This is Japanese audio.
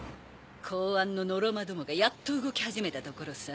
公安のノロマどもがやっと動き始めたところさ。